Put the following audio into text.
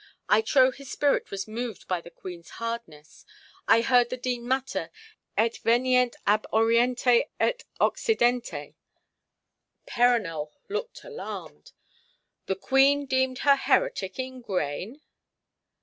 I trow his spirit was moved by the Queen's hardness! I heard the Dean mutter, 'Et venient ab Oriente et Occidente.'" Perronel hooked alarmed. "The Queen deemed her heretic in grain!